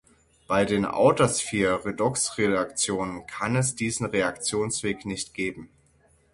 Bei den outer-sphere Redoxreaktionen kann es diesen Reaktionsweg nicht geben.